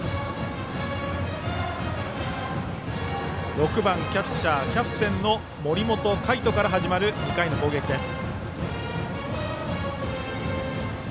６番キャッチャー、キャプテンの森本凱斗から始まる２回の攻撃です。